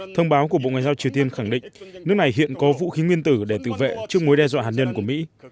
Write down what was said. thông báo của bộ ngoại giao triều tiên khẳng định nước này hiện có vũ khí nguyên tử để tự vệ trước mối đe dọa hạt nhân của mỹ